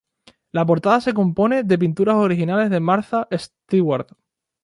La portada se compone de pinturas originales de Martha Stewart.